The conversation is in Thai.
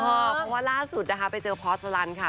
เพราะล่าสุดนะครับไปเจอพสลันค่ะ